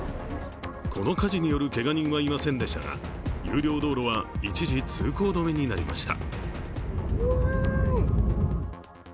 この火事によるけが人はいませんでしたが、有料道路は一時、通行止めになりました。